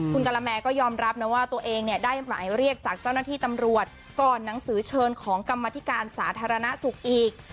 คุณกะละแมก็ยอมรับนะว่าตัวเองเนี่ยได้หมายเรียกจากเจ้าหน้าที่ตำรวจก่อนหนังสือเชิญของกรรมธิการสาธารณสุขอีก